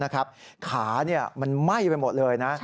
ขามันไหม้ไปหมดเลยนะ